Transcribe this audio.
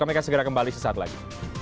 kami akan segera kembali sesaat lagi